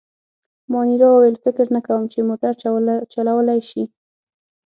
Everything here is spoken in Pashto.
مانیرا وویل: فکر نه کوم، چي موټر چلولای شي.